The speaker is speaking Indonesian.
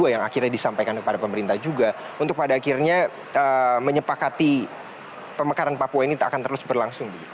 yang akhirnya disampaikan kepada pemerintah juga untuk pada akhirnya menyepakati pemekaran papua ini tak akan terus berlangsung